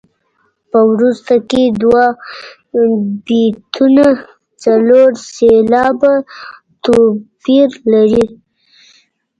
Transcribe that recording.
په وروسته کې دوه بیتونه څلور سېلابه توپیر لري.